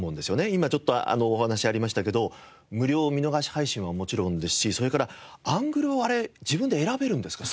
今ちょっとお話ありましたけど無料見逃し配信はもちろんですしそれからアングルをあれ自分で選べるんですか？